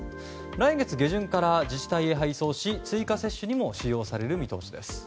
来月下旬から自治体へ配送し追加接種にも使用される見通しです。